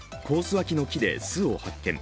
脇の木で巣を発見。